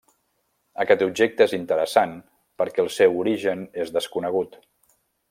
Aquest objecte és interessant perquè el seu origen és desconegut.